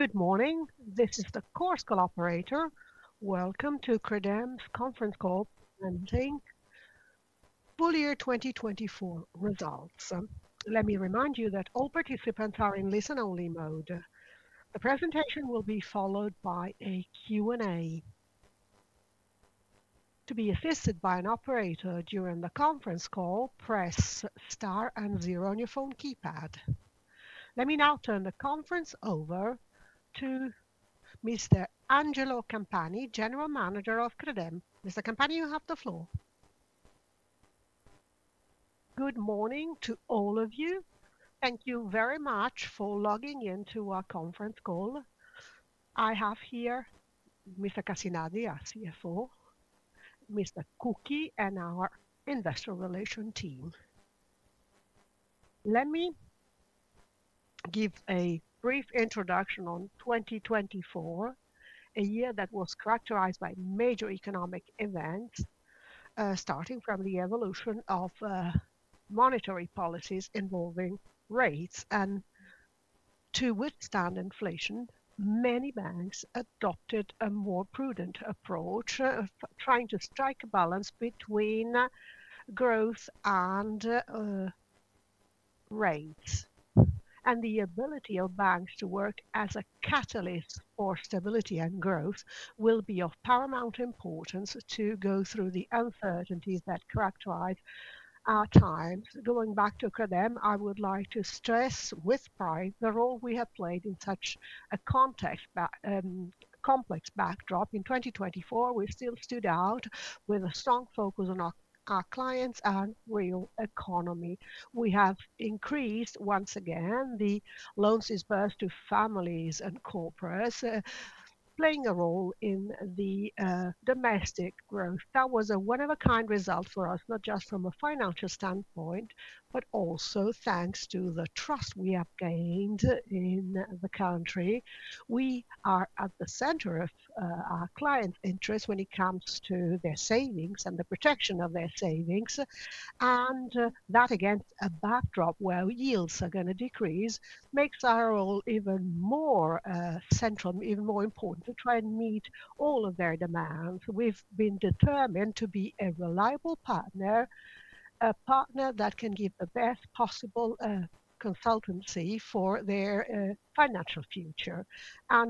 Good morning. This is the Chorus Call operator. Welcome to Credem Conference Call Presenting Full Year 2024 Results. Let me remind you that all participants are in listen-only mode. The presentation will be followed by a Q&A. To be assisted by an operator during the conference call, press star and zero on your phone keypad. Let me now turn the conference over to Mr. Angelo Campani, General Manager of Credem. Mr. Campani, you have the floor. Good morning to all of you. Thank you very much for logging into our conference call. I have here Mr. Cassinadri, our CFO, Mr. Cucchi, and our Investor Relations team. Let me give a brief introduction on 2024, a year that was characterized by major economic events, starting from the evolution of monetary policies involving rates. And to withstand inflation, many banks adopted a more prudent approach, trying to strike a balance between growth and rates. And the ability of banks to work as a catalyst for stability and growth will be of paramount importance to go through the uncertainties that characterize our times. Going back to Credem, I would like to stress with pride the role we have played in such a complex backdrop. In 2024, we still stood out with a strong focus on our clients and real economy. We have increased once again the loans disbursed to families and corporates, playing a role in the domestic growth. That was a one-of-a-kind result for us, not just from a financial standpoint, but also thanks to the trust we have gained in the country. We are at the center of our clients' interest when it comes to their savings and the protection of their savings. That, against a backdrop where yields are going to decrease, makes our role even more central, even more important to try and meet all of their demands. We've been determined to be a reliable partner, a partner that can give the best possible consultancy for their financial future.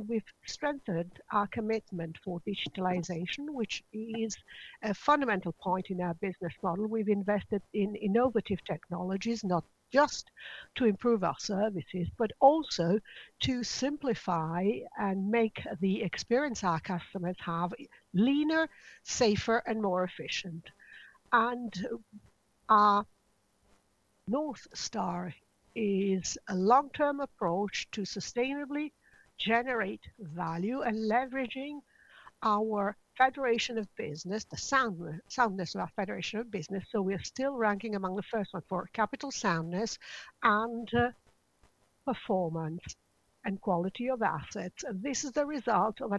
We've strengthened our commitment for digitalization, which is a fundamental point in our business model. We've invested in innovative technologies, not just to improve our services, but also to simplify and make the experience our customers have leaner, safer, and more efficient. Our North Star is a long-term approach to sustainably generate value and leveraging our Federation of Business, the soundness of our Federation of Business. We're still ranking among the first ones for capital soundness and performance and quality of assets. This is the result of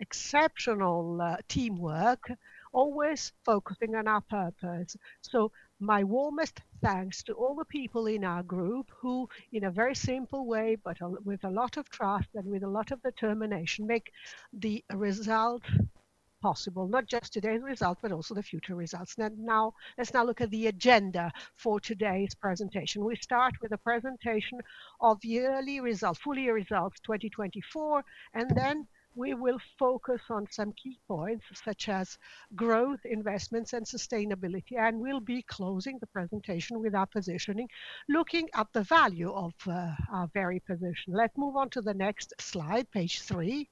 exceptional teamwork, always focusing on our purpose. So my warmest thanks to all the people in our group who, in a very simple way, but with a lot of trust and with a lot of determination, make the result possible, not just today's result, but also the future results. Now, let's look at the agenda for today's presentation. We start with a presentation of yearly results, full year results 2024, and then we will focus on some key points such as growth, investments, and sustainability. and we'll be closing the presentation with our positioning, looking at the value of our very position. Let's move on to the next slide, page three.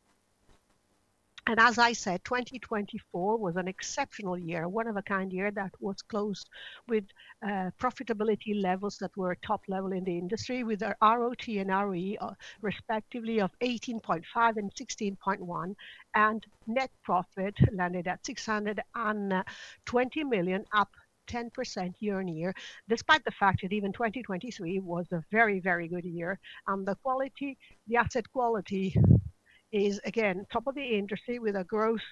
And as I said, 2024 was an exceptional year, a one-of-a-kind year that was closed with profitability levels that were top level in the industry, with ROTE and ROE respectively of 18.5 and 16.1, and net profit landed at 620 million, up 10% year on year, despite the fact that even 2023 was a very, very good year. And the quality, the asset quality is again top of the industry with a gross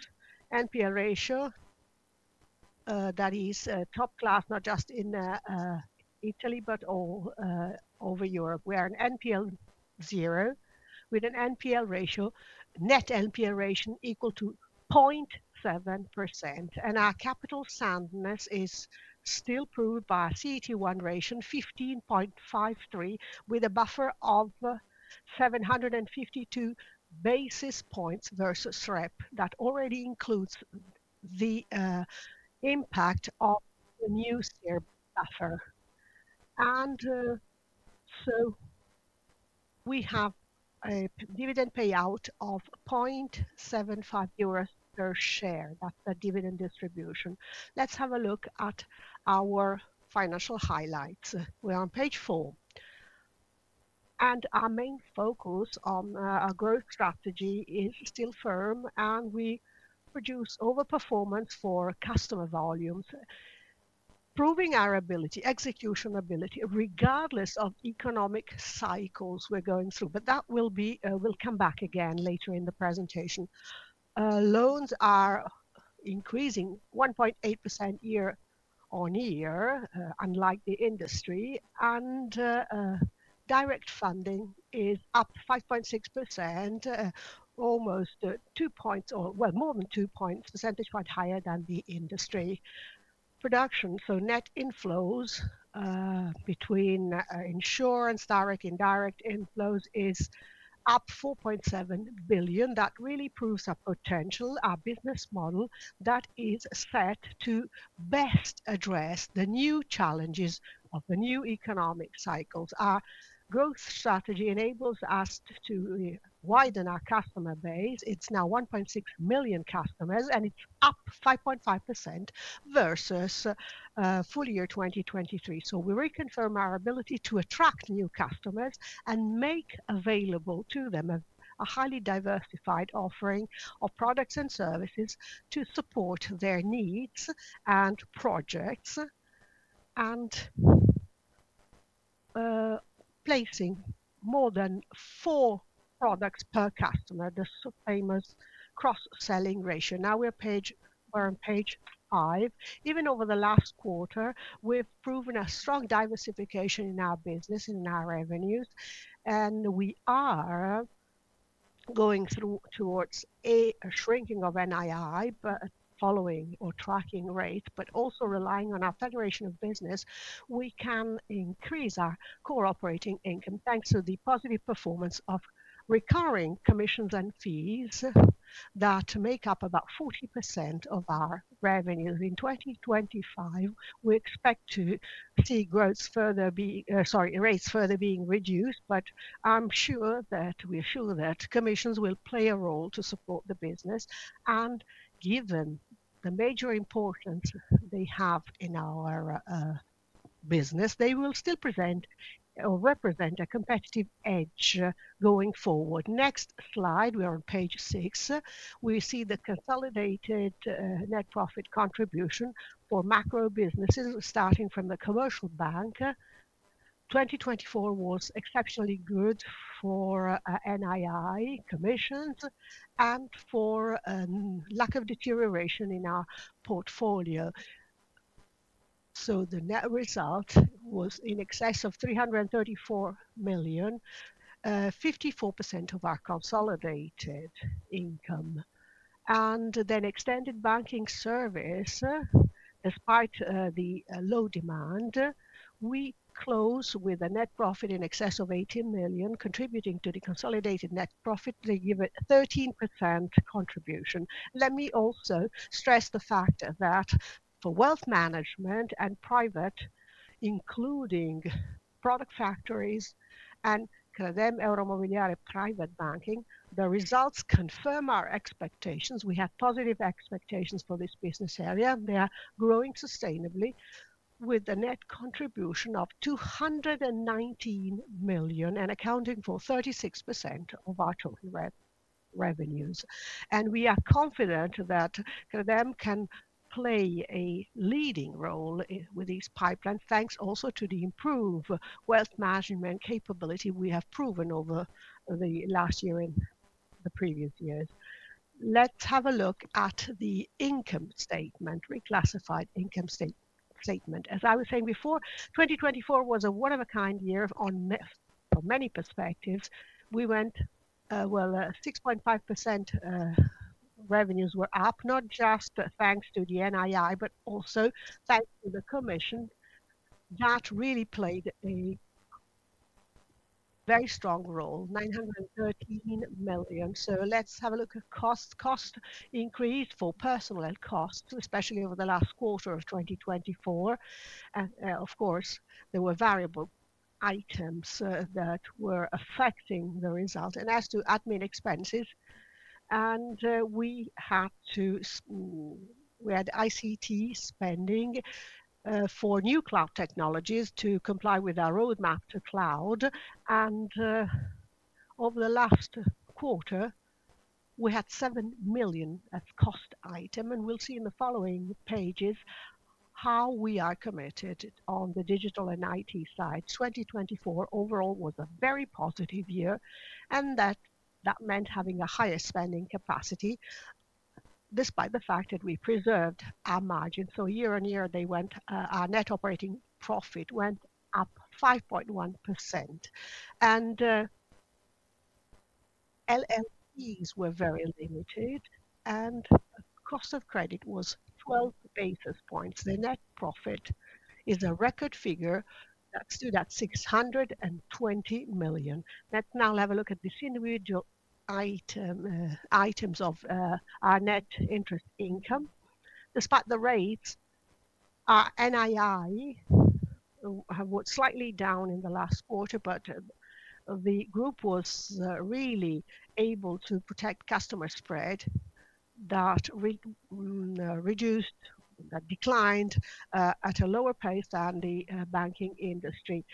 NPL ratio that is top class, not just in, but all over Europe. We're at NPL zero with an NPL ratio, net NPL ratio equal to 0.7%. And our capital soundness is still proved by CET1 ratio 15.53, with a buffer of 752 basis points versus SREP that already includes the impact of the new SREP buffer. And so we have a dividend payout of 0.75 euros per share, that's the dividend distribution. Let's have a look at our financial highlights. We're on page four, and our main focus on our growth strategy is still firm, and we produce overperformance for customer volumes, proving our ability, execution ability, regardless of economic cycles we're going through, but that will come back again later in the presentation. Loans are increasing 1.8% year on year, unlike the industry, and direct funding is up 5.6%, almost two points, or well, more than two points, percentage point higher than the industry production, so net inflows between, direct, indirect inflows is up 4.7 billion. That really proves our potential, our business model that is set to best address the new challenges of the new economic cycles. Our growth strategy enables us to widen our customer base. It's now 1.6 million customers, and it's up 5.5% versus full year 2023. So we reconfirm our ability to attract new customers and make available to them a highly diversified offering of products and services to support their needs and projects, and placing more than four products per customer, the famous cross-selling ratio. Now we're on page five. Even over the last quarter, we've proven a strong diversification in our business and in our revenues. And we are going towards a shrinking of NII, but following or tracking rate, but also relying on our Federation of Business, we can increase our core operating income thanks to the positive performance of recurring commissions and fees that make up about 40% of our revenues. In 2025, we expect to see, sorry, rates further being reduced, but I'm sure that we are sure that commissions will play a role to support the business. Given the major importance they have in our business, they will still present or represent a competitive edge going forward. Next slide, we're on page six. We see the consolidated net profit contribution for macro businesses starting from the commercial bank. 2024 was exceptionally good for NII commissions and for lack of deterioration in our portfolio. So the net result was in excess of 334 million, 54% of our consolidated income. And then extended banking service, despite the low demand, we close with a net profit in excess of 18 million, contributing to the consolidated net profit to give a 13% contribution. Let me also stress the fact that for wealth management and private, including product factories and Credem Euromobiliare Private Banking, the results confirm our expectations. We have positive expectations for this business area. They are growing sustainably with a net contribution of 219 million and accounting for 36% of our total revenues. And we are confident that Credem can play a leading role with this pipeline, thanks also to the improved wealth management capability we have proven over the last year and the previous years. Let's have a look at the income statement, reclassified income statement. As I was saying before, 2024 was a one-of-a-kind year on many perspectives. We went, well, 6.5% revenues were up, not just thanks to the NII, but also thanks to the commissions that really played a very strong role, 913 million. So let's have a look at costs, cost increase for personnel and costs, especially over the last quarter of 2024. And of course, there were variable items that were affecting the results. And as to admin expenses, and we had to, we had ICT spending for new cloud technologies to comply with our roadmap to cloud. And over the last quarter, we had 7 million cost item. And we'll see in the following pages how we are committed on the digital and IT side. 2024 overall was a very positive year, and that meant having a higher spending capacity despite the fact that we preserved our margin. So year on year, they went, our net operating profit went up 5.1%. And LLPs were very limited, and cost of credit was 12 basis points. The net profit is a record figure that stood at 620 million. Let's now have a look at the individual items of our net interest income. Despite the rates, our NII was slightly down in the last quarter, but the group was really able to protect customer spread that declined at a lower pace than the banking industry,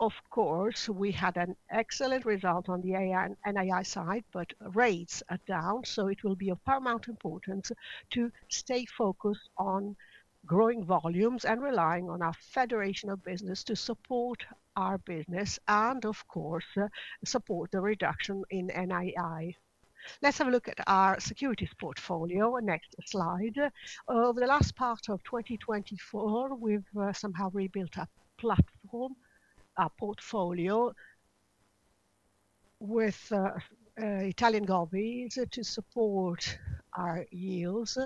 so of course, we had an excellent result on the NII side, but rates are down, so it will be of paramount importance to stay focused on growing volumes and relying on our Federation of Business to support our business and, of course, support the reduction in NII. Let's have a look at our securities portfolio. Next slide. Over the last part of 2024, we've somehow rebuilt our platform, our portfolio with Italian govvies to support our yields.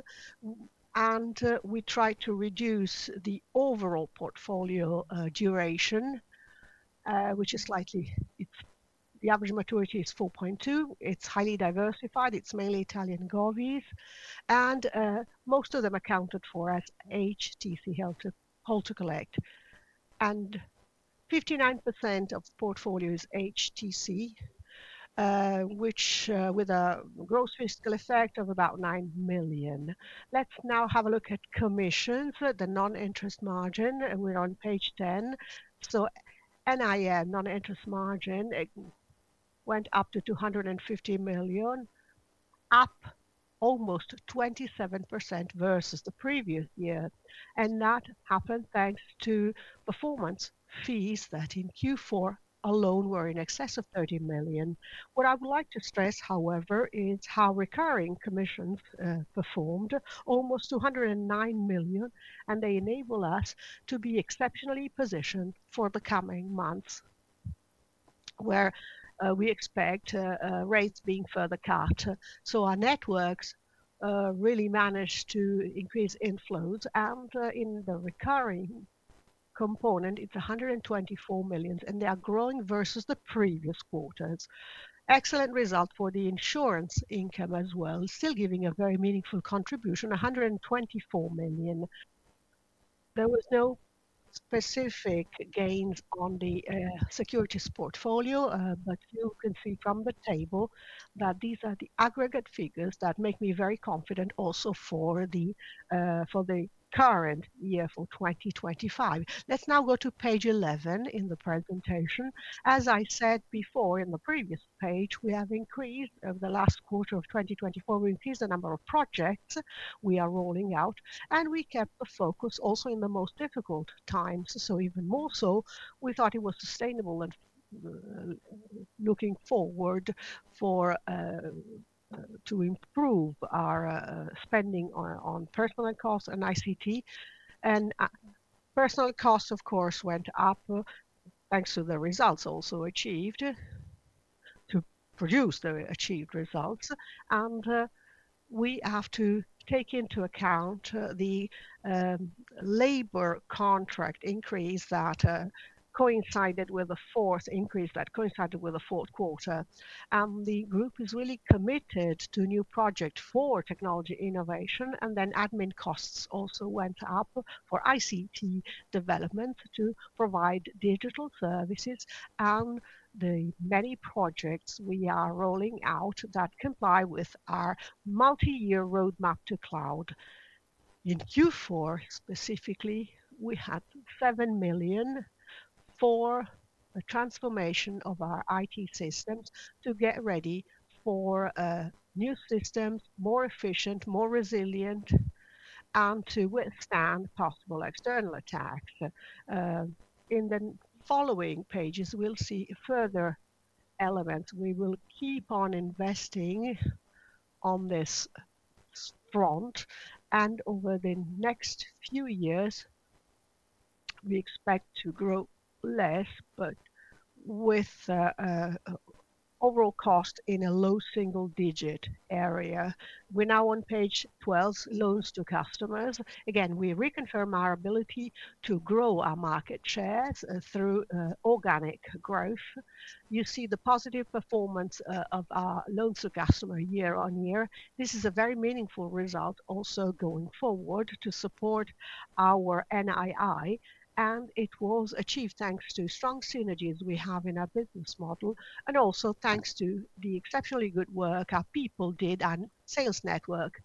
And we tried to reduce the overall portfolio duration, which is slightly, the average maturity is 4.2. It's highly diversified. It's mainly Italian govvies, and most of them accounted for as HTC, Hold to Collect. And 59% of portfolio is HTC, which, with a gross fiscal effect of about 9 million. Let's now have a look at commissions, the non-interest margin. We're on page 10. So NIM, non-interest margin went up to 250 million, up almost 27% versus the previous year. And that happened thanks to performance fees that in Q4 alone were in excess of 30 million. What I would like to stress, however, is how recurring commissions performed, almost 209 million, and they enable us to be exceptionally positioned for the coming months where we expect rates being further cut. So our networks really managed to increase inflows. And in the recurring component, it's 124 million, and they are growing versus the previous quarters. Excellent result for the insurance income as well, still giving a very meaningful contribution, 124 million. There were no specific gains on the securities portfolio, but you can see from the table that these are the aggregate figures that make me very confident also for the current year for 2025. Let's now go to page 11 in the presentation. As I said before in the previous page, we have increased over the last quarter of 2024. We increased the number of projects we are rolling out, and we kept the focus also in the most difficult times, so even more so, we thought it was sustainable and looking forward to improve our spending on personnel costs and ICT. And personnel costs, of course, went up thanks to the results also achieved to produce the achieved results. And we have to take into account the labor contract increase that coincided with the fourth quarter. And the group is really committed to new projects for technology innovation. And then admin costs also went up for ICT development to provide digital services. And the many projects we are rolling out that comply with our multi-year roadmap to cloud. In Q4 specifically, we had 7 million for a transformation of our IT systems to get ready for new systems, more efficient, more resilient, and to withstand possible external attacks. In the following pages, we'll see further elements. We will keep on investing on this front. And over the next few years, we expect to grow less, but with overall costs in a low single-digit area. We're now on page 12, loans to customers. Again, we reconfirm our ability to grow our market shares through organic growth. You see the positive performance of our loans to customers year on year. This is a very meaningful result also going forward to support our NII. And it was achieved thanks to strong synergies we have in our business model, and also thanks to the exceptionally good work our people did and sales network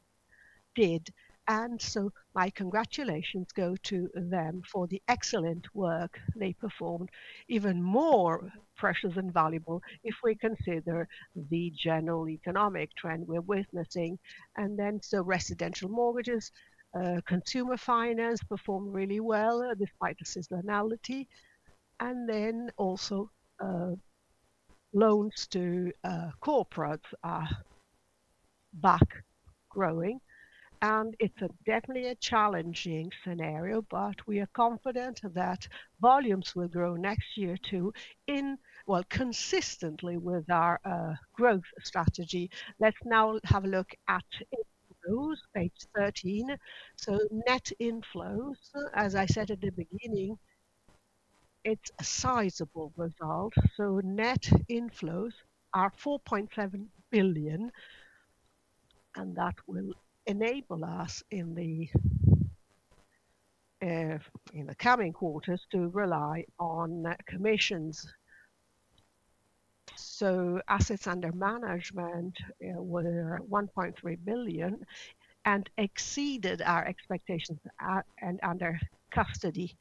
did. And so my congratulations go to them for the excellent work they performed. Even more precious and valuable if we consider the general economic trend we're witnessing. And then so residential mortgages, consumer finance performed really well despite the seasonality. And then also loans to corporates are back growing. And it's definitely a challenging scenario, but we are confident that volumes will grow next year too in, well, consistently with our growth strategy. Let's now have a look at inflows, page 13. So net inflows, as I said at the beginning, it's a sizable result. So net inflows are 4.7 billion. And that will enable us in the coming quarters to rely on commissions. So assets under management were 1.3 billion and exceeded our expectations and under custody.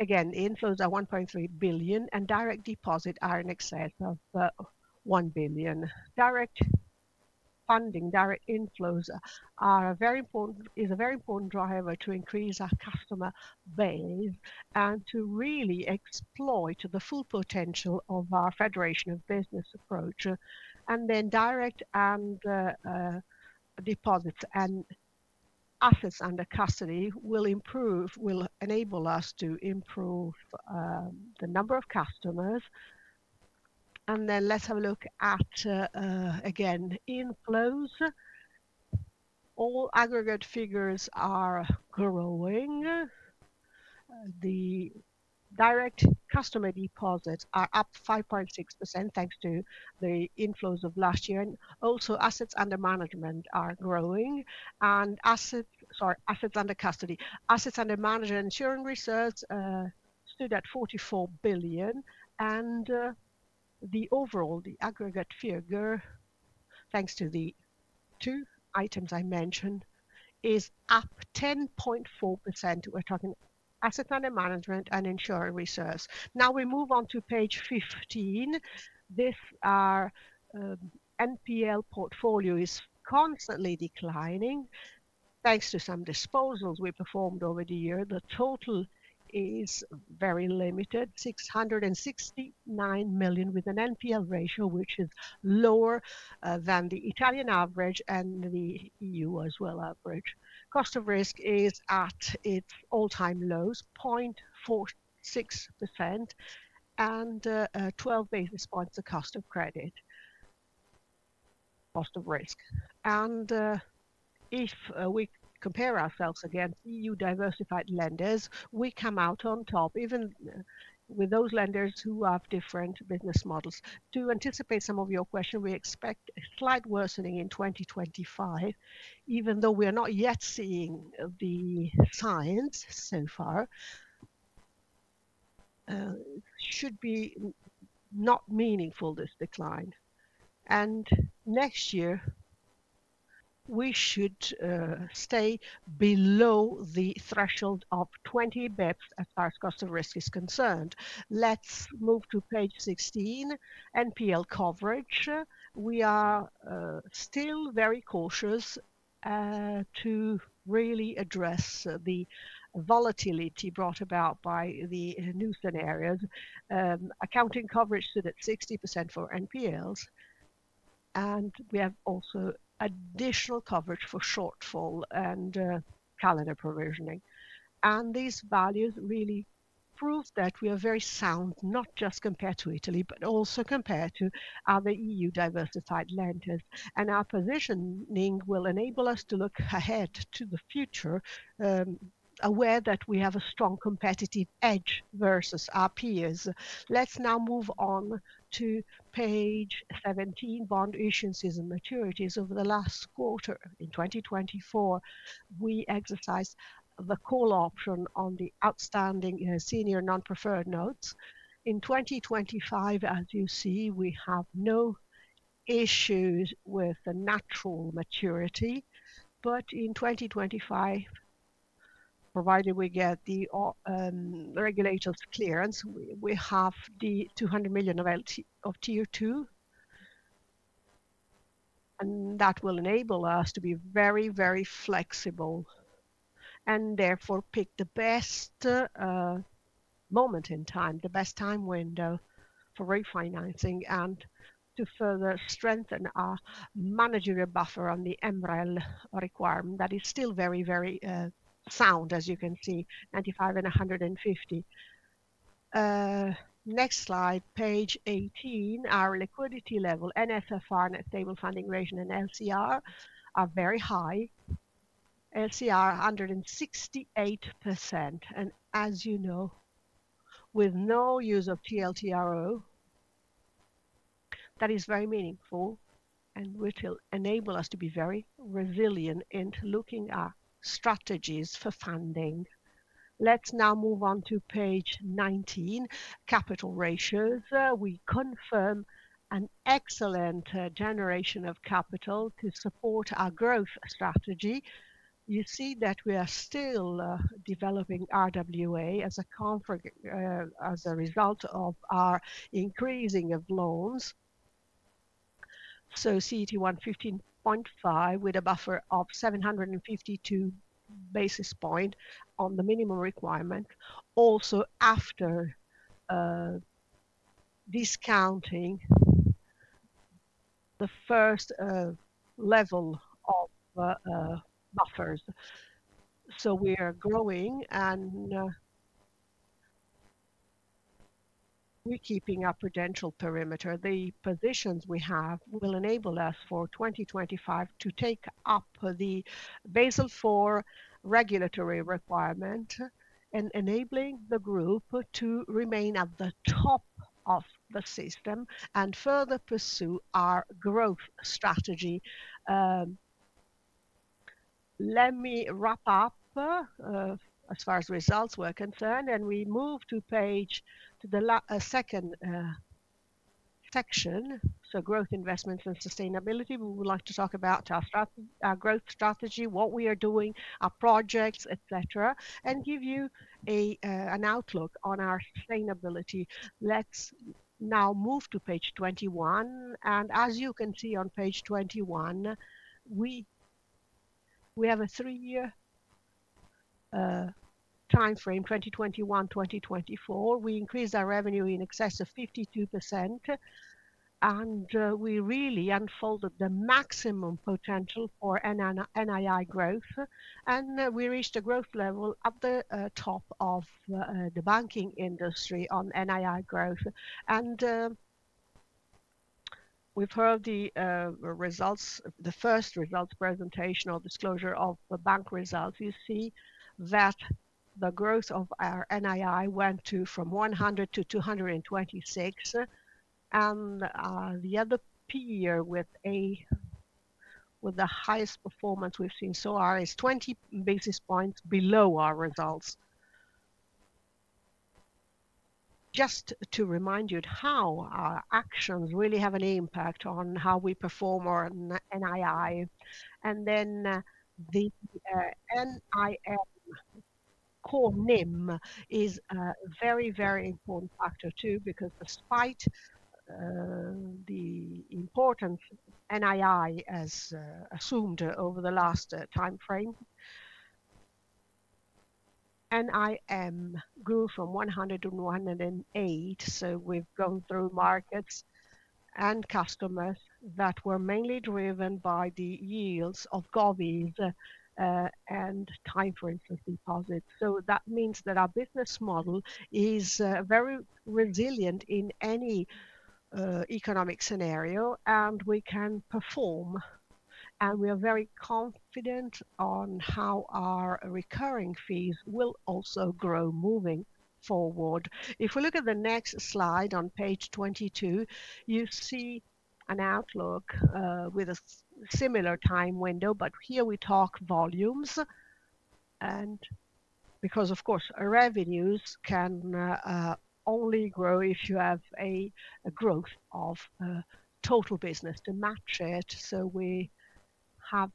Again, inflows are 1.3 billion and direct deposit are in excess of 1 billion. Direct funding, direct inflows is a very important driver to increase our customer base and to really exploit the full potential of our Federation of Business approach. And then direct and deposits and assets under custody will improve, will enable us to improve the number of customers. And then let's have a look at, again, inflows. All aggregate figures are growing. The direct customer deposits are up 5.6% thanks to the inflows of last year. And also assets under management are growing. And assets under custody, assets under management, insurance research stood at 44 billion. The overall, the aggregate figure, thanks to the two items I mentioned, is up 10.4%. We're talking assets under management and insurance research. Now we move on to page 15. This NPL portfolio is constantly declining thanks to some disposals we performed over the year. The total is very limited, 669 million with an NPL ratio, which is lower than the Italian average and the E.U. as well average. Cost of risk is at its all-time lows, 0.46% and 12 basis points of cost of credit, cost of risk. If we compare ourselves against E.U. diversified lenders, we come out on top even with those lenders who have different business models. To anticipate some of your questions, we expect a slight worsening in 2025, even though we are not yet seeing the signs so far. Should be not meaningful, this decline. Next year, we should stay below the threshold of 20 basis points as far as cost of risk is concerned. Let's move to page 16, NPL coverage. We are still very cautious to really address the volatility brought about by the new scenarios. Accounting coverage stood at 60% for NPLs. We have also additional coverage for shortfall and calendar provisioning. These values really prove that we are very sound, not just compared to Italy, but also compared to other E.U. diversified lenders. Our positioning will enable us to look ahead to the future, aware that we have a strong competitive edge versus our peers. Let's now move on to page 17, bond issuances and maturities. Over the last quarter in 2024, we exercised the call option on the outstanding senior non-preferred notes. In 2025, as you see, we have no issues with the natural maturity. But in 2025, provided we get the regulator's clearance, we have 200 million of Tier 2. And that will enable us to be very, very flexible and therefore pick the best moment in time, the best time window for refinancing and to further strengthen our management buffer on the MREL requirement that is still very, very sound, as you can see, 95 and 150. Next slide, page 18, our liquidity level, NSFR, Net Stable Funding Ratio, and LCR are very high. LCR, 168%. And as you know, with no use of, that is very meaningful and will enable us to be very resilient in looking at strategies for funding. Let's now move on to page 19, capital ratios. We confirm an excellent generation of capital to support our growth strategy. You see that we are still developing RWA as a result of our increasing of loans. CET1, 15.5 with a buffer of 752 basis points on the minimum requirement, also after discounting the first level of buffers. We are growing and we're keeping our capital perimeter. The positions we have will enable us for 2025 to take up the Basel IV regulatory requirement and enabling the group to remain at the top of the system and further pursue our growth strategy. Let me wrap up as far as results were concerned. We move to page, to the second section, so growth, investments, and sustainability. We would like to talk about our growth strategy, what we are doing, our projects, etc., and give you an outlook on our sustainability. Let's now move to page 21. As you can see on page 21, we have a three-year timeframe, 2021-2024. We increased our revenue in excess of 52%. We really unfolded the maximum potential for NII growth. We reached a growth level at the top of the banking industry on NII growth. We've heard the results, the first result presentation or disclosure of the bank results. You see that the growth of our NII went from 100 to 226. The other peer with the highest performance we've seen so far is 20 basis points below our results. Just to remind you how our actions really have an impact on how we perform our NII. The NII core NIM is a very, very important factor too because despite the importance NII has assumed over the last timeframe, NIM grew from 100 to 108. We've gone through markets and customers that were mainly driven by the yields of govvies and time frames of deposits. So that means that our business model is very resilient in any economic scenario, and we can perform, and we are very confident on how our recurring fees will also grow moving forward. If we look at the next slide on page 22, you see an outlook with a similar time window, but here we talk volumes, and because, of course, revenues can only grow if you have a growth of total business to match it, so we have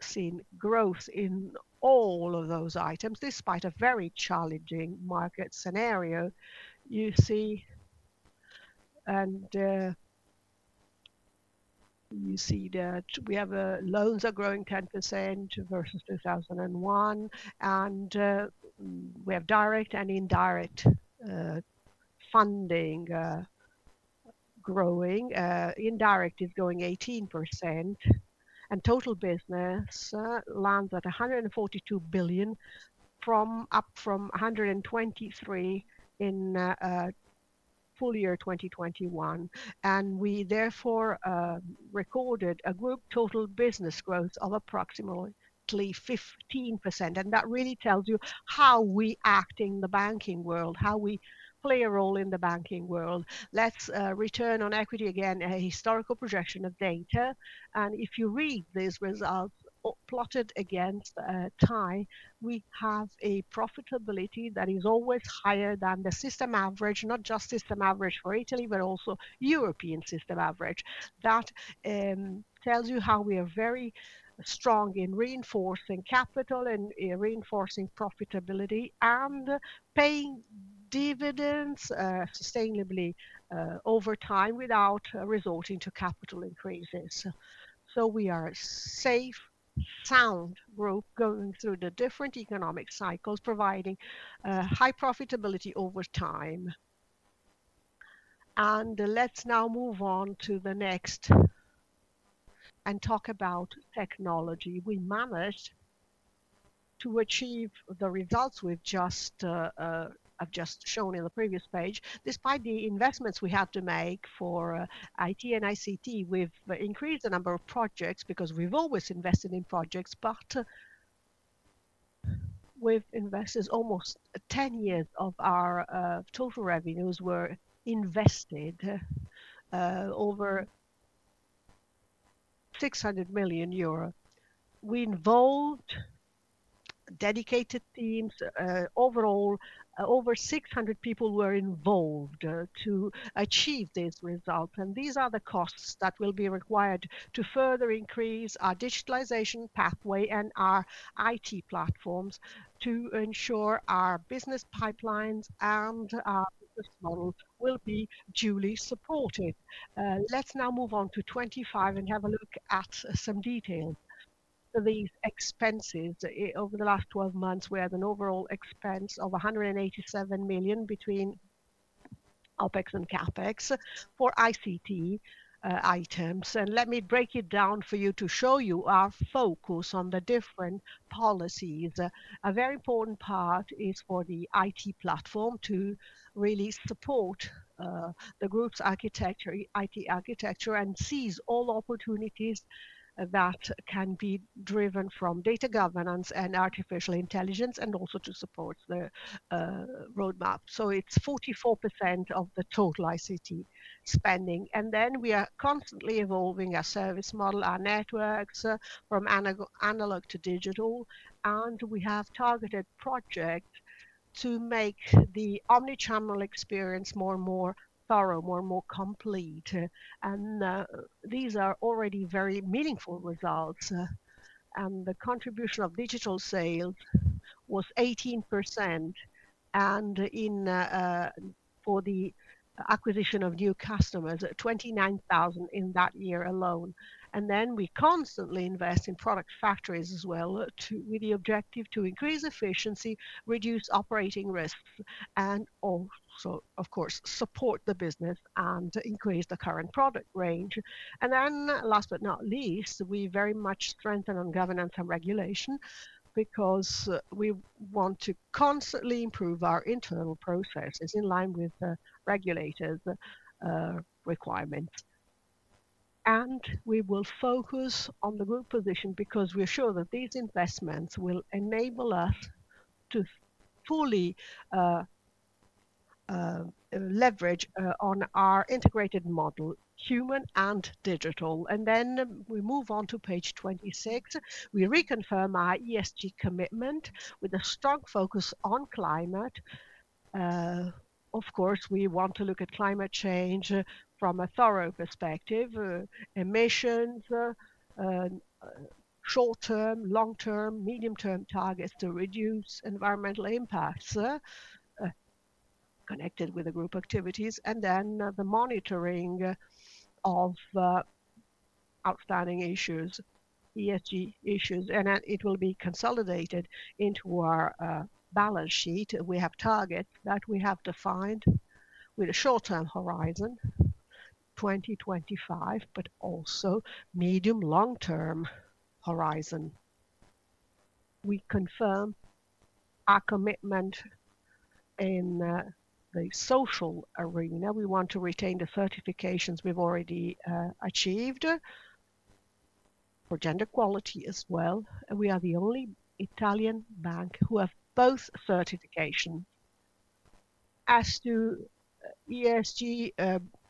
seen growth in all of those items despite a very challenging market scenario. You see, and you see that our loans are growing 10% versus 2021, and we have direct and indirect funding growing. Indirect is growing 18%. And total business stands at 142 billion up from 123 billion in full year 2021, and we therefore recorded a group total business growth of approximately 15%. That really tells you how we act in the banking world, how we play a role in the banking world. Let's return on equity again, a historical projection of data. If you read these results plotted against time, we have a profitability that is always higher than the system average, not just system average for Italy, but also European system average. That tells you how we are very strong in reinforcing capital and reinforcing profitability and paying dividends sustainably over time without resulting in capital increases. We are a safe, sound group going through the different economic cycles, providing high profitability over time. Let's now move on to the next and talk about technology. We managed to achieve the results we've just shown in the previous page. Despite the investments we have to make for IT and ICT, we've increased the number of projects because we've always invested in projects. But we've invested almost 10% of our total revenues over EUR 600 million. We involved dedicated teams. Overall, over 600 people were involved to achieve these results. And these are the costs that will be required to further increase our digitalization pathway and our IT platforms to ensure our business pipelines and our business models will be duly supported. Let's now move on to 25 and have a look at some details. So these expenses over the last 12 months were an overall expense of 187 million between OPEX and CAPEX for ICT items. And let me break it down for you to show you our focus on the different policies. A very important part is for the IT platform to really support the group's architecture, IT architecture, and seize all opportunities that can be driven from data governance and artificial intelligence and also to support the roadmap, so it's 44% of the total ICT spending, and then we are constantly evolving our service model, our networks from analog to digital, and we have targeted projects to make the omnichannel experience more and more thorough, more and more complete, and these are already very meaningful results, and the contribution of digital sales was 18%, and for the acquisition of new customers, 29,000 in that year alone, and then we constantly invest in product factories as well with the objective to increase efficiency, reduce operating risks, and also, of course, support the business and increase the current product range. And then last but not least, we very much strengthen on governance and regulation because we want to constantly improve our internal processes in line with the regulators' requirements. And we will focus on the group position because we're sure that these investments will enable us to fully leverage on our integrated model, human and digital. And then we move on to page 26. We reconfirm our ESG commitment with a strong focus on climate. Of course, we want to look at climate change from a thorough perspective, emissions, short-term, long-term, medium-term targets to reduce environmental impacts connected with the group activities. And then the monitoring of outstanding issues, ESG issues. And it will be consolidated into our balance sheet. We have targets that we have defined with a short-term horizon, 2025, but also medium-long-term horizon. We confirm our commitment in the social arena. We want to retain the certifications we've already achieved for gender equality as well. We are the only Italian bank who have both certifications. As to ESG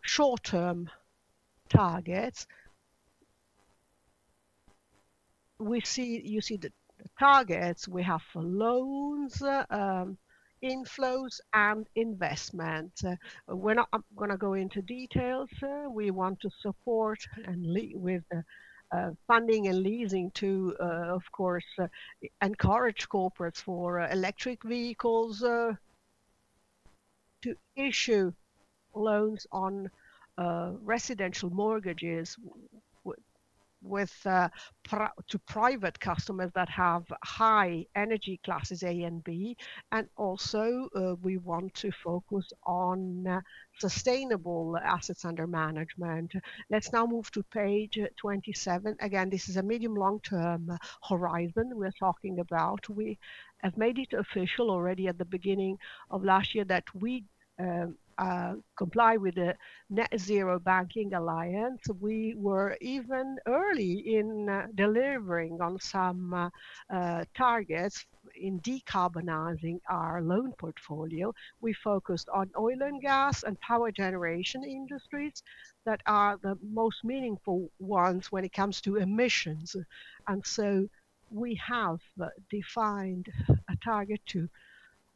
short-term targets, you see the targets we have for loans, inflows, and investments. We're not going to go into details. We want to support and lead with funding and leasing to, of course, encourage corporates for electric vehicles to issue loans on residential mortgages to private customers that have high energy classes, A and B. And also, we want to focus on sustainable assets under management. Let's now move to page 27. Again, this is a medium-long-term horizon we're talking about. We have made it official already at the beginning of last year that we comply with the Net Zero Banking Alliance. We were even early in delivering on some targets in decarbonizing our loan portfolio. We focused on oil and gas and power generation industries that are the most meaningful ones when it comes to emissions, and so we have defined a target to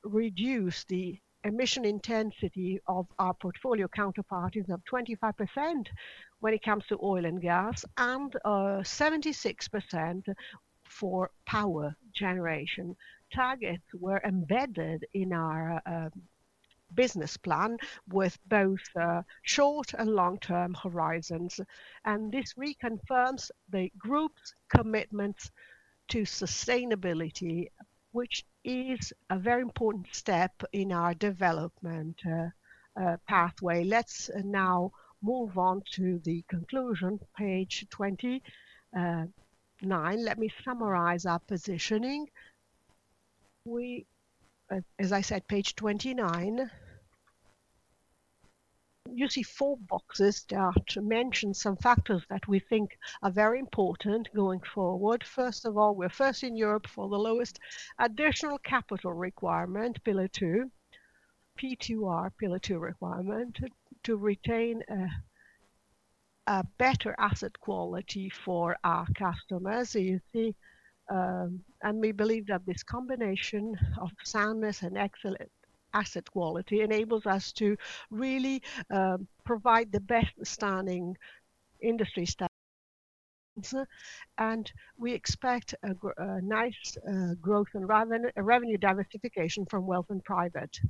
reduce the emission intensity of our portfolio counterparties of 25% when it comes to oil and gas and 76% for power generation. Targets were embedded in our business plan with both short and long-term horizons, and this reconfirms the group's commitment to sustainability, which is a very important step in our development pathway. Let's now move on to the conclusion, page 29. Let me summarize our positioning. As I said, page 29, you see four boxes that mention some factors that we think are very important going forward. First of all, we're first in Europe for the lowest additional capital requirement, Pillar 2, P2R, Pillar 2 requirement to retain a better asset quality for our customers. And we believe that this combination of soundness and excellent asset quality enables us to really provide the best-standing industry standards. And we expect a nice growth and revenue diversification from wealth and private.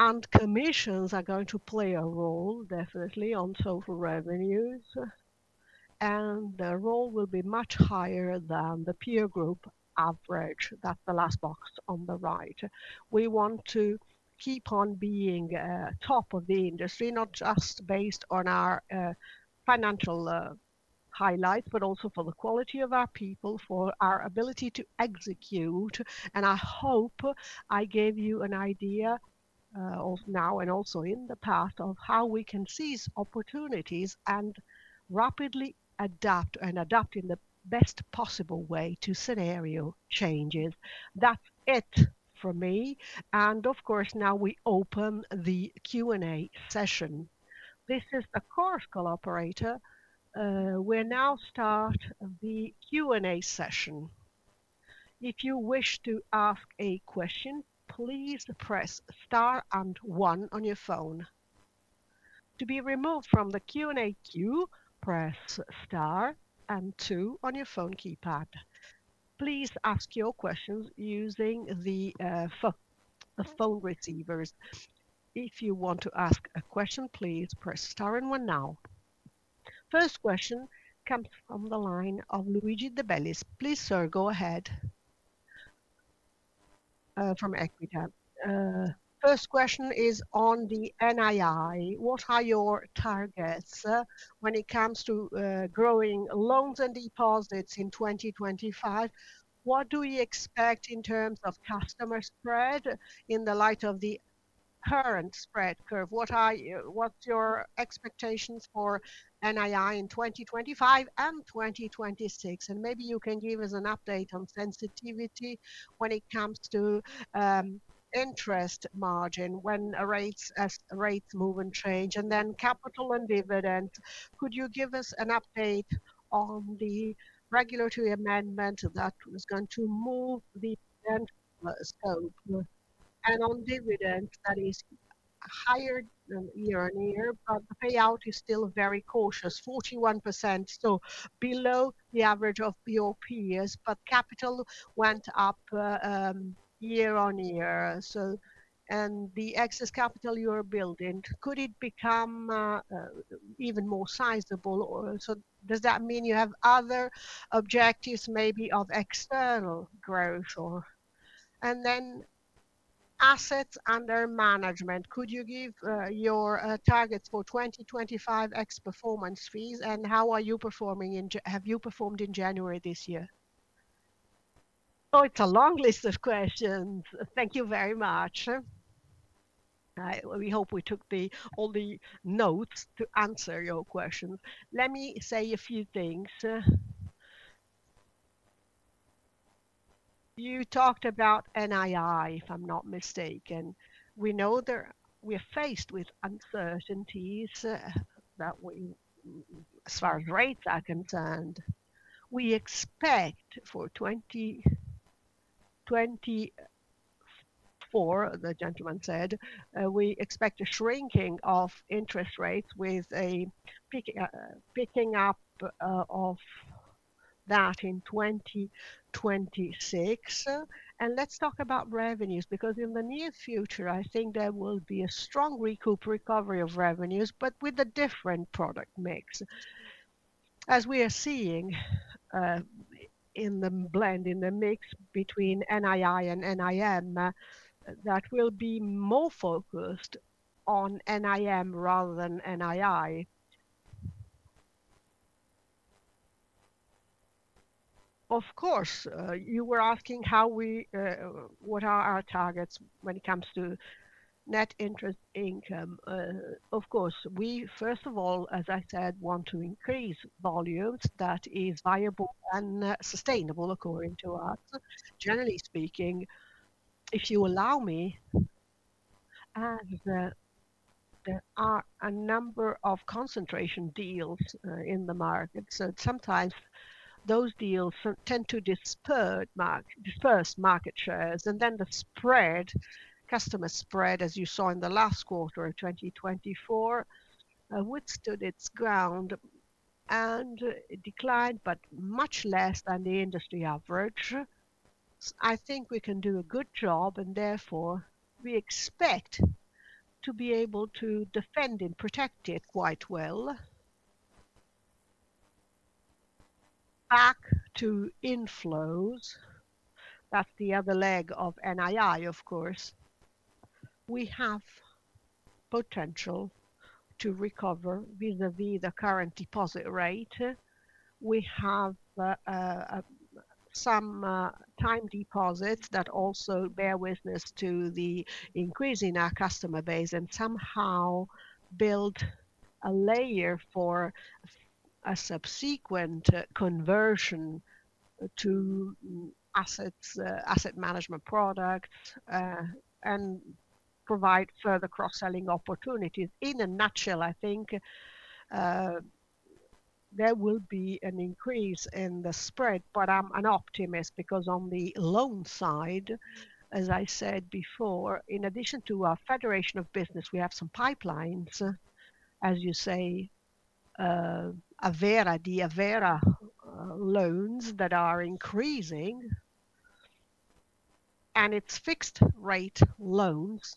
And commissions are going to play a role, definitely, on total revenues. And the role will be much higher than the peer group average. That's the last box on the right. We want to keep on being top of the industry, not just based on our financial highlights, but also for the quality of our people, for our ability to execute. And I hope I gave you an idea of now and also in the past of how we can seize opportunities and rapidly adapt and adapt in the best possible way to scenario changes. That's it for me. And of course, now we open the Q&A session. This is a Chorus Call operator. We'll now start the Q&A session. If you wish to ask a question, please press star and one on your phone. To be removed from the Q&A queue, press star and two on your phone keypad. Please ask your questions using the phone receivers. If you want to ask a question, please press star and one now. First question comes from the line of Luigi De Bellis. Please, sir, go ahead. From Equita. First question is on the NII. What are your targets when it comes to growing loans and deposits in 2025? What do we expect in terms of customer spread in the light of the current spread curve? What's your expectations for NII in 2025 and 2026? And maybe you can give us an update on sensitivity when it comes to interest margin when rates move and change. And then capital and dividends. Could you give us an update on the regulatory amendment that was going to move the dividend scope? And on dividends, that is higher year on year, but the payout is still very cautious, 41%, so below the average of BOPs. Capital went up year on year. The excess capital you are building, could it become even more sizable? Does that mean you have other objectives, maybe of external growth? And then assets under management. Could you give your targets for 2025 ex performance fees? And how are you performing? Have you performed in January this year? Oh, it's a long list of questions. Thank you very much. We hope we took all the notes to answer your questions. Let me say a few things. You talked about NII, if I'm not mistaken. We know that we're faced with uncertainties as far as rates are concerned. We expect for 2024, the gentleman said, we expect a shrinking of interest rates with a picking up of that in 2026. And let's talk about revenues because in the near future, I think there will be a strong recovery of revenues, but with a different product mix. As we are seeing in the blend, in the mix between NII and NIM, that will be more focused on NIM rather than NII. Of course, you were asking what are our targets when it comes to net interest income. Of course, we, first of all, as I said, want to increase volumes. That is viable and sustainable, according to us. Generally speaking, if you allow me, there are a number of concentration deals in the market. So sometimes those deals tend to disperse market shares. And then the spread, customer spread, as you saw in the last quarter of 2024, withstood its ground and declined, but much less than the industry average. I think we can do a good job, and therefore we expect to be able to defend and protect it quite well. Back to inflows, that's the other leg of NII, of course. We have potential to recover vis-à-vis the current deposit rate. We have some time deposits that also bear witness to the increase in our customer base and somehow build a layer for a subsequent conversion to asset management products and provide further cross-selling opportunities. In a nutshell, I think there will be an increase in the spread, but I'm an optimist because on the loan side, as I said before, in addition to our federation of business, we have some pipelines, as you say, the Avvera loans that are increasing, and it's fixed-rate loans.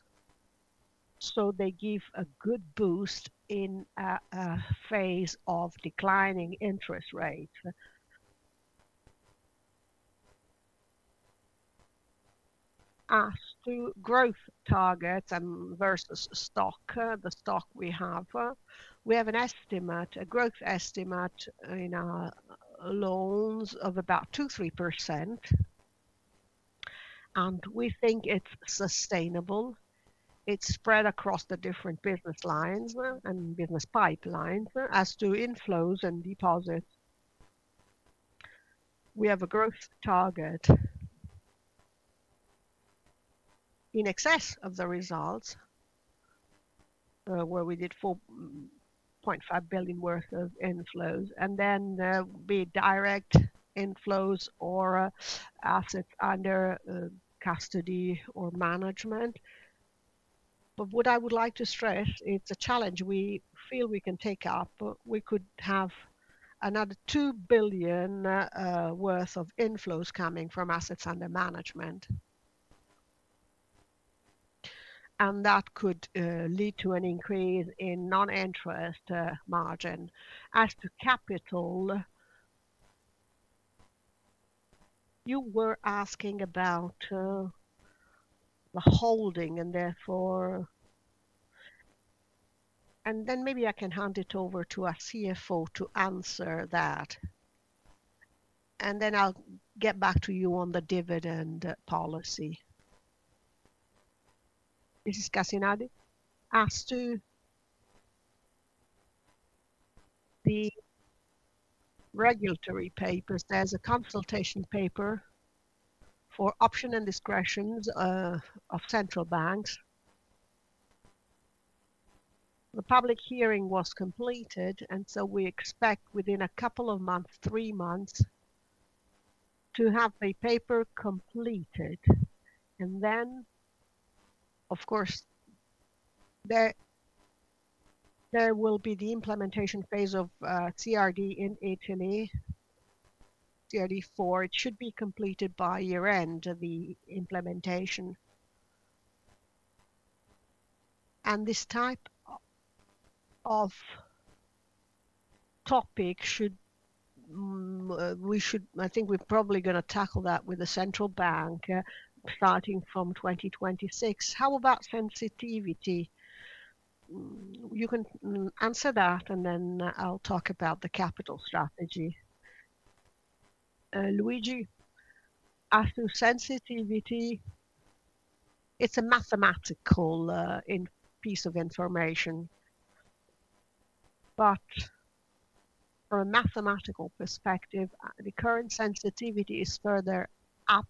So they give a good boost in a phase of declining interest rates. As to growth targets versus stock, the stock we have, we have a growth estimate in our loans of about 2%-3%. We think it's sustainable. It's spread across the different business lines and business pipelines as to inflows and deposits. We have a growth target in excess of the results where we did 4.5 billion worth of inflows. Then there will be direct inflows or assets under custody or management. But what I would like to stress, it's a challenge we feel we can take up. We could have another 2 billion worth of inflows coming from assets under management. And that could lead to an increase in non-interest margin. As to capital, you were asking about the holding and therefore, and then maybe I can hand it over to our CFO to answer that. And then I'll get back to you on the dividend policy. This is Cassinadri. As to the regulatory papers, there's a consultation paper for options and discretions of central banks. The public hearing was completed, and so we expect within a couple of months, three months, to have a paper completed. And then, of course, there will be the implementation phase of CRD in HNE. CRD IV, it should be completed by year-end, the implementation. This type of topic, I think we're probably going to tackle that with the central bank starting from 2026. How about sensitivity? You can answer that, and then I'll talk about the capital strategy. Luigi, as to sensitivity, it's a mathematical piece of information. From a mathematical perspective, the current sensitivity is further up,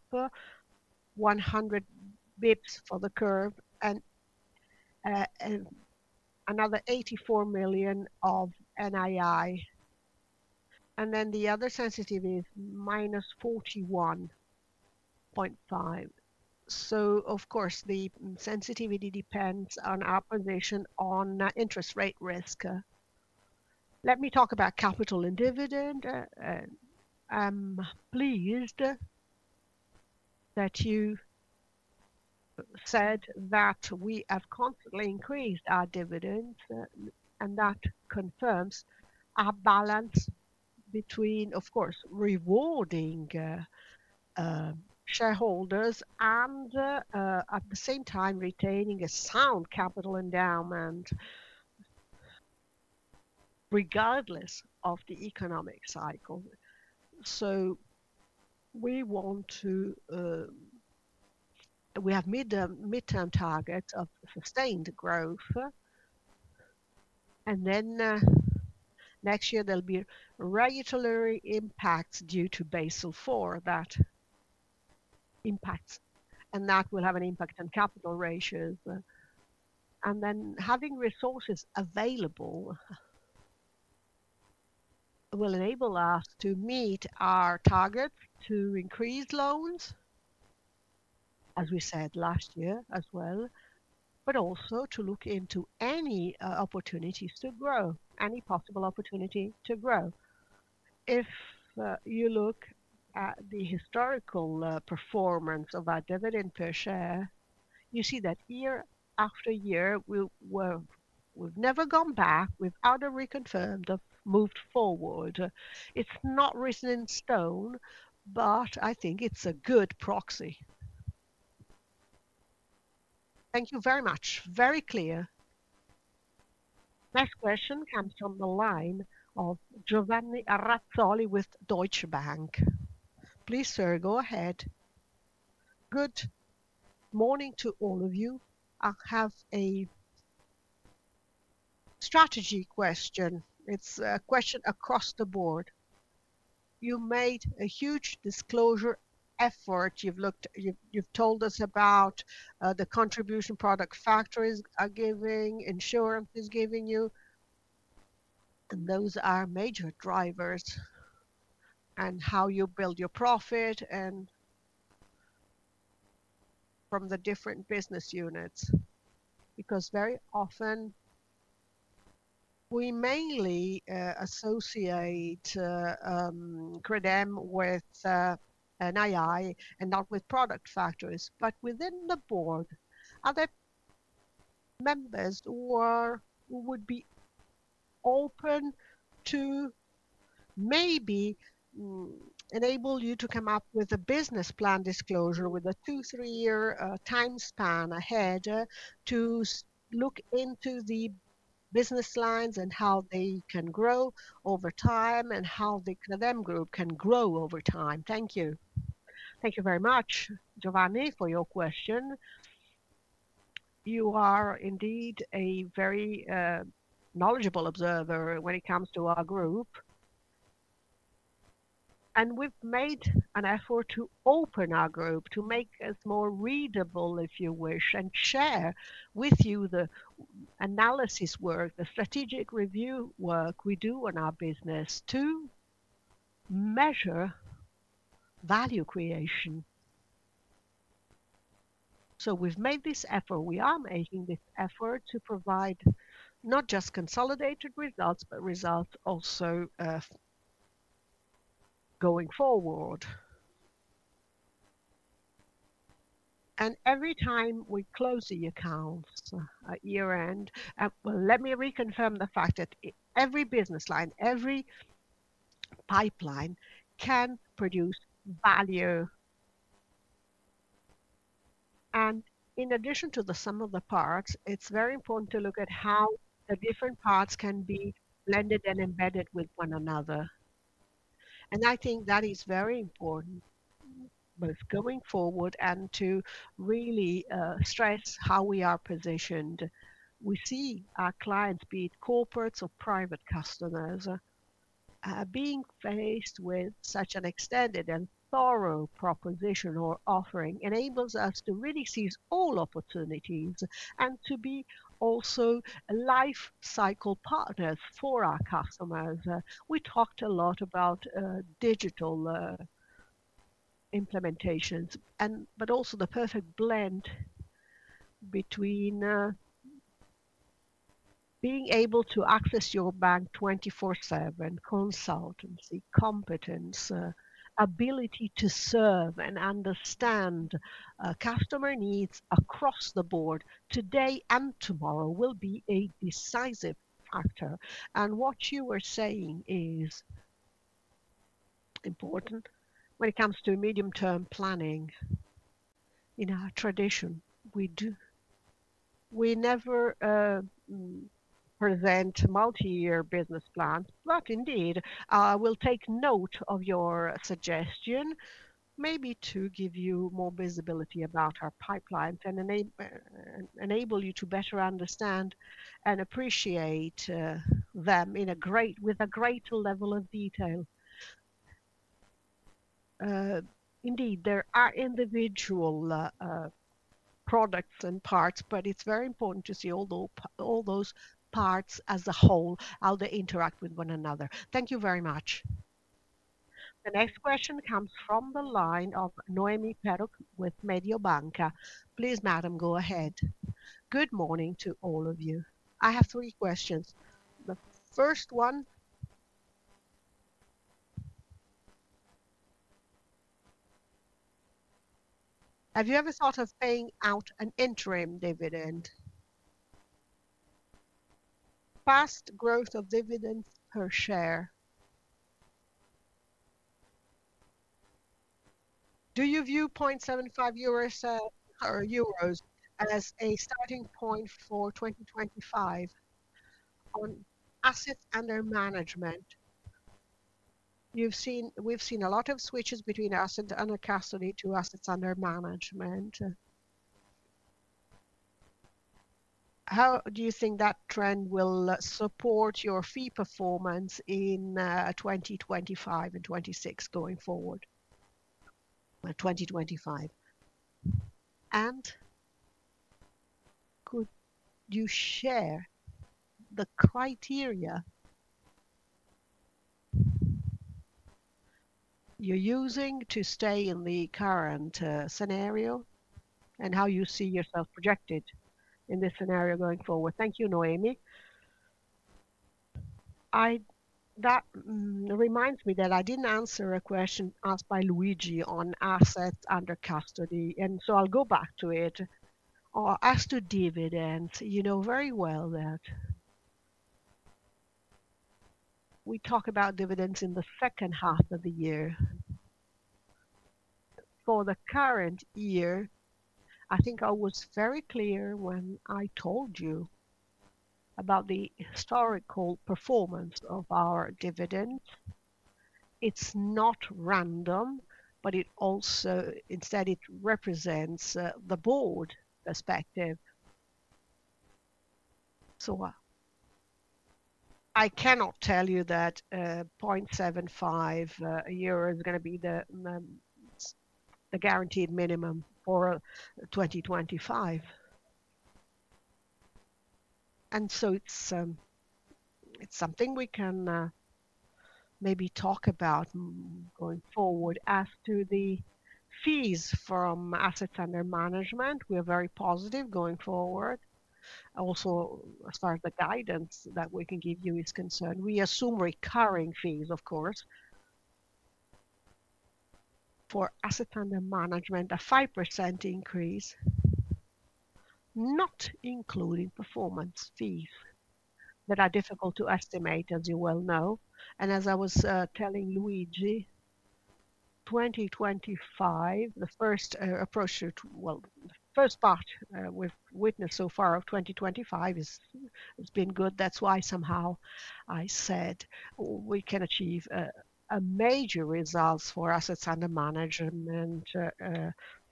100 basis points for the curve, and another 84 million of NII. And then the other sensitivity is minus 41.5 million. Of course, the sensitivity depends on our position on interest rate risk. Let me talk about capital and dividend. I'm pleased that you said that we have constantly increased our dividends, and that confirms our balance between, of course, rewarding shareholders and, at the same time, retaining a sound capital endowment regardless of the economic cycle. We have midterm targets of sustained growth. And then next year, there'll be regulatory impacts due to Basel IV that impacts, and that will have an impact on capital ratios. And then having resources available will enable us to meet our targets to increase loans, as we said last year as well, but also to look into any opportunities to grow, any possible opportunity to grow. If you look at the historical performance of our dividend per share, you see that year after year, we've never gone back. We've either reconfirmed or moved forward. It's not written in stone, but I think it's a good proxy. Thank you very much. Very clear. Next question comes from the line of Giovanni Razzoli with Deutsche Bank. Please, sir, go ahead. Good morning to all of you. I have a strategy question. It's a question across the board. You made a huge disclosure effort. You've told us about the contribution product factories are giving, insurance is giving you. And those are major drivers in how you build your profit and from the different business units. Because very often, we mainly associate Credem with NII and not with product factories. But within the board, are there members who would be open to maybe enable you to come up with a business plan disclosure with a two, three-year time span ahead to look into the business lines and how they can grow over time and how the Credem Group can grow over time? Thank you. Thank you very much, Giovanni, for your question. You are indeed a very knowledgeable observer when it comes to our group. We've made an effort to open our group to make us more readable, if you wish, and share with you the analysis work, the strategic review work we do on our business to measure value creation. We've made this effort. We are making this effort to provide not just consolidated results, but results also going forward. Every time we close the accounts year-end, let me reconfirm the fact that every business line, every pipeline can produce value. In addition to the sum of the parts, it's very important to look at how the different parts can be blended and embedded with one another. I think that is very important both going forward and to really stress how we are positioned. We see our clients, be it corporates or private customers, being faced with such an extended and thorough proposition or offering enables us to really seize all opportunities and to be also life cycle partners for our customers. We talked a lot about digital implementations, but also the perfect blend between being able to access your bank 24/7, consultancy, competence, ability to serve and understand customer needs across the board today and tomorrow will be a decisive factor, and what you were saying is important when it comes to medium-term planning. In our tradition, we never present multi-year business plans, but indeed, I will take note of your suggestion maybe to give you more visibility about our pipelines and enable you to better understand and appreciate them with a greater level of detail. Indeed, there are individual products and parts, but it's very important to see all those parts as a whole, how they interact with one another. Thank you very much. The next question comes from the line of Noemi Peruch with Mediobanca. Please, madam, go ahead. Good morning to all of you. I have three questions. The first one, have you ever thought of paying out an interim dividend? Fast growth of dividends per share. Do you view 0.75 euros as a starting point for 2025 on assets under management? We've seen a lot of switches between assets under custody to assets under management. How do you think that trend will support your fee performance in 2025 and 2026 going forward? 2025. And could you share the criteria you're using to stay in the current scenario and how you see yourself projected in this scenario going forward? Thank you, Noemi. That reminds me that I didn't answer a question asked by Luigi on assets under custody. And so I'll go back to it. As to dividends, you know very well that we talk about dividends in the second half of the year. For the current year, I think I was very clear when I told you about the historical performance of our dividends. It's not random, but instead, it represents the board perspective. So I cannot tell you that 0.75 is going to be the guaranteed minimum for 2025. And so it's something we can maybe talk about going forward. As to the fees from assets under management, we are very positive going forward. Also, as far as the guidance that we can give you is concerned, we assume recurring fees, of course. For assets under management, a 5% increase, not including performance fees that are difficult to estimate, as you well know. And as I was telling Luigi, 2025, the first approach to, well, the first part we've witnessed so far of 2025 has been good. That's why somehow I said we can achieve major results for assets under management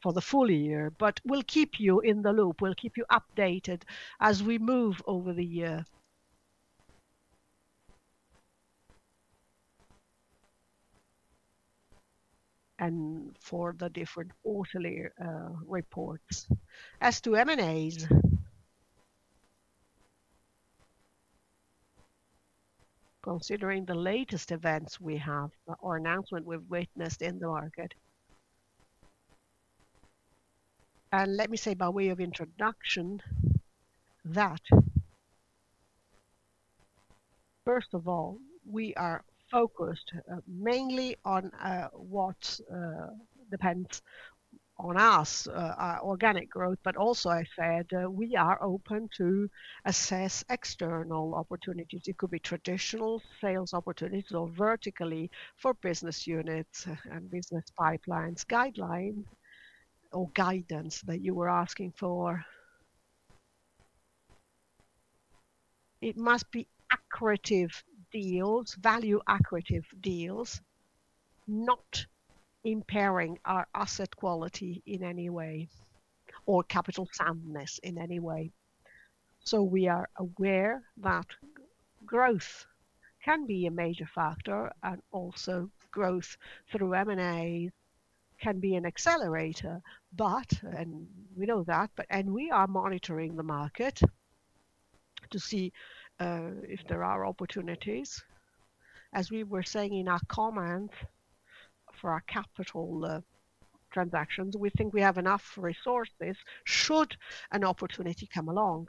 for the full year. But we'll keep you in the loop. We'll keep you updated as we move over the year. And for the different other reports. As to M&As, considering the latest events we have or announcements we've witnessed in the market, and let me say by way of introduction that, first of all, we are focused mainly on what depends on us, our organic growth, but also, I said, we are open to assess external opportunities. It could be traditional sales opportunities or vertically for business units and business pipelines, guidelines or guidance that you were asking for. It must be value-accretive deals, not impairing our asset quality in any way or capital soundness in any way, so we are aware that growth can be a major factor, and also growth through M&As can be an accelerator, but, and we know that, and we are monitoring the market to see if there are opportunities. As we were saying in our comments for our capital transactions, we think we have enough resources should an opportunity come along.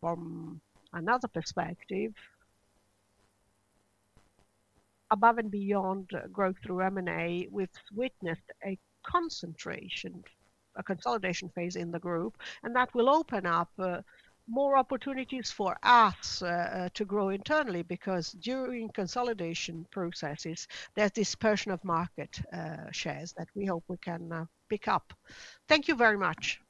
From another perspective, above and beyond growth through M&A, we've witnessed a consolidation phase in the group, and that will open up more opportunities for us to grow internally because during consolidation processes, there's dispersion of market shares that we hope we can pick up. Thank you very much.